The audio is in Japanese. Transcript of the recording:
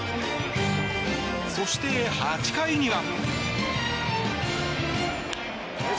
そして、８回には。